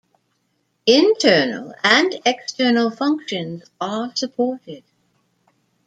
Internal and external functions are supported.